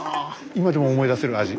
今でも思い出せる味。